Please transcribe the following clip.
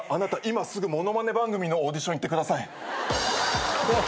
今すぐ物まね番組のオーディション行ってください。